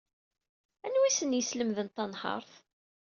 Anwa ay asen-yeslemden tanhaṛt?